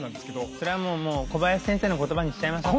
それはもう小林先生の言葉にしちゃいましょう。